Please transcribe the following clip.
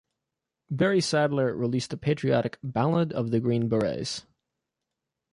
Barry Sadler released the patriotic "Ballad of the Green Berets".